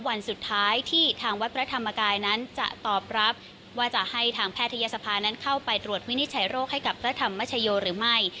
วันสุดท้ายที่ทางวัดพระธรรมกายนั้นจะตอบรับว่าจะให้ทางแพทยศภานั้นเข้าไปตรวจวินิจฉัยโรคให้กับพระธรรมชโยหรือไม่